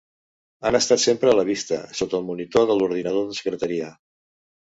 Han estat sempre a la vista, sota el monitor de l'ordinador de secretaria.